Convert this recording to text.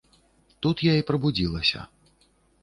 Тут я і прабудзілася.